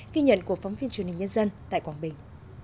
ghi nhận của phóng viên truyền hình nhân dân tại quảng bình